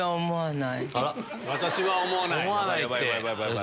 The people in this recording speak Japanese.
「私は思わない」。